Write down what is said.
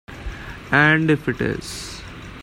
And if it is?